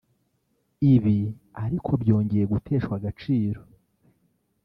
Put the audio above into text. Ibi ariko byongeye guteshwa agaciro